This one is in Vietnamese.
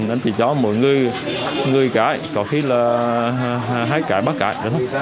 anh chỉ cho mỗi người cái có khi là hai cái ba cái